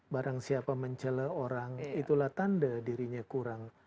barang siapa mencele orang itulah tanda dirinya kurang